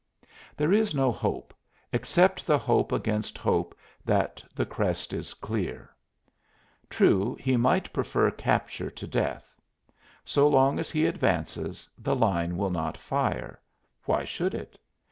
There is no hope except the hope against hope that the crest is clear. True, he might prefer capture to death. So long as he advances, the line will not fire why should it?